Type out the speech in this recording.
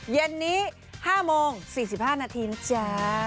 เย็นนี้๕โมง๔๕นาทีนะจ๊ะ